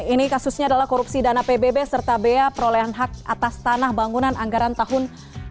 ini kasusnya adalah korupsi dana pbb serta bea perolehan hak atas tanah bangunan anggaran tahun dua ribu dua puluh